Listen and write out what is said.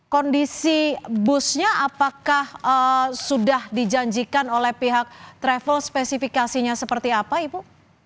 kondisi busnya apakah sudah dijanjikan oleh pihak travel spesifikasinya seperti apa ibu